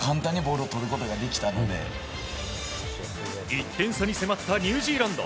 １点差に迫ったニュージーランド。